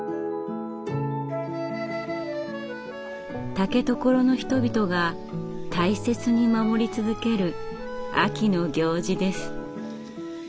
竹所の人々が大切に守り続ける秋の行事です。